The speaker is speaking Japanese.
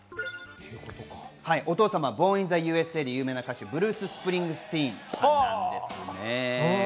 お父様は『ボーン・イン・ザＵ．Ｓ．Ａ．』で有名な、ブルース・スプリングスティーンです。